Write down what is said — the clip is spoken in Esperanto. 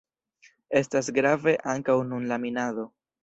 Estas grave ankaŭ nun la minado.